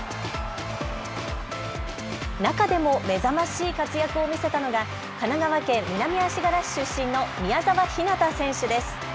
中でも目覚ましい活躍を見せたのが神奈川県南足柄市出身の宮澤ひなた選手です。